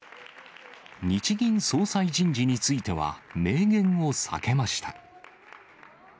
日銀総裁人事については、明言を避けました。